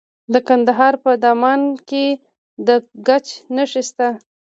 د کندهار په دامان کې د ګچ نښې شته.